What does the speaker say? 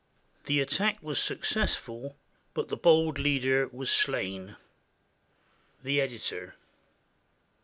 The attack was successful, but the bold leader was slain. The Editor.